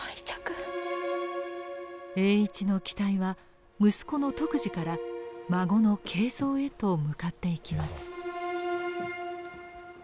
栄一の期待は息子の篤二から孫の敬三へと向かっていきます。